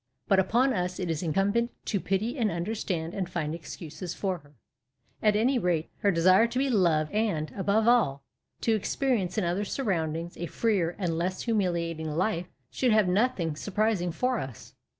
But upon us it is incumbent to pity and understand and find excuses for her. " At any rate, her desire to be loved and, above all, to experi ence in other surroundings a freer and less humiliat ing life should have nothing surprising for us."